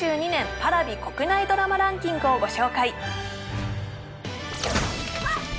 Ｐａｒａｖｉ国内ドラマランキングをご紹介